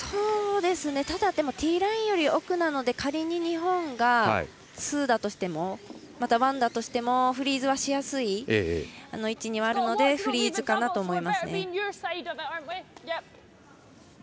ただ、ティーラインより奥なので仮に日本がツーだとしてもまたワンだとしてもフリーズはしやすい位置にあるのでフリーズかなと思います。